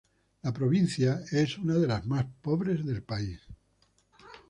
La provincia es una de las más pobres del país.